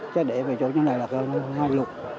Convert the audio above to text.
sẽ để về chỗ như thế này là lúc